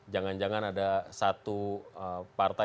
jangan jangan ada satu partai